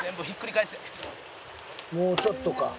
もうちょっとか。